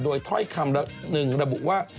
โดยถ้อยคำหนึ่งระบุว่า